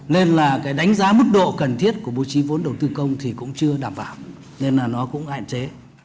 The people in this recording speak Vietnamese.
nên đánh giá mức độ cần thiết của bố trí vốn đầu tư công thì cũng chưa đảm bảo nên nó cũng ạn chế